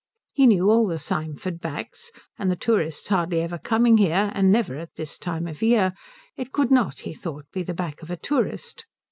He knew all the Symford backs, and tourists hardly ever coming there, and never at that time of the year, it could not, he thought, be the back of a tourist.